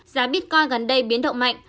giá bitcoin gần đây biến động mạnh